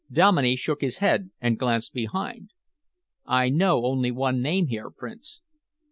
Dominey shook his head and glanced behind. "I know only one name here, Prince."